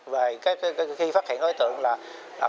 về khi phát hiện đối tượng là